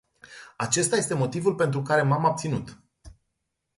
Acesta este motivul pentru care m-am abținut.